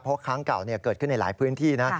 เพราะครั้งเก่าเกิดขึ้นในหลายพื้นที่นะ